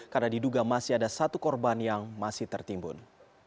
karena diduga masih ada satu korban yang masih tertimbun